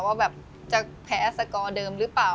ว่าจะแพ้สกอร์เดิมรึเปล่า